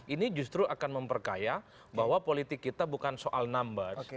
ini justru akan memperkaya bahwa politik kita bukan soal numbers